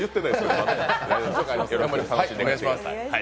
どうぞ楽しんでください。